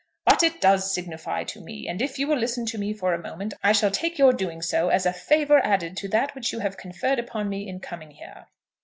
"But it does signify to me, and if you will listen to me for a moment I shall take your doing so as a favour added to that which you have conferred upon me in coming here."